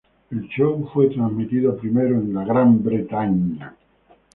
El show fue transmitido primero en Gran Bretaña.